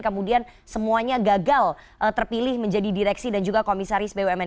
kemudian semuanya gagal terpilih menjadi direksi dan juga komisaris bumn